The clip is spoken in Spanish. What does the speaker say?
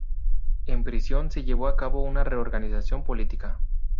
En prisión se llevó a cabo una reorganización política.